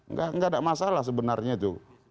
nggak ada masalah sebenarnya itu